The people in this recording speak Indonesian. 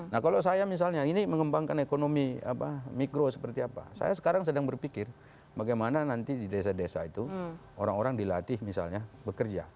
nah kalau saya misalnya ini mengembangkan ekonomi mikro seperti apa saya sekarang sedang berpikir bagaimana nanti di desa desa itu orang orang dilatih misalnya bekerja